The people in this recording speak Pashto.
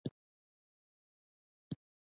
په شلي کوریا کې د کرنسۍ اصلاحات هم همداسې وو.